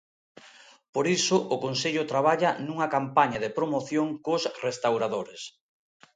Por iso o Consello traballa nunha campaña de promoción cos restauradores.